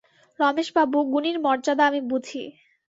রমেশবাবু, গুণীর মর্যাদা আমি বুঝি।